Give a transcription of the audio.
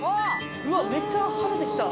うわめっちゃ晴れてきた。